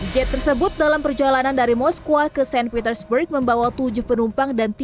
jet tersebut dalam perjalanan dari moskwa ke st petersburg membawa tujuh penumpang dan tiga